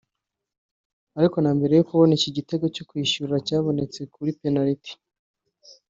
ariko na mbere yo kubona iki gitego cyo kwishyura cyabonetse kuri penaliti